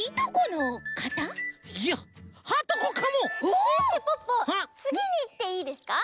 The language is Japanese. シュッシュポッポつぎにいっていいですか？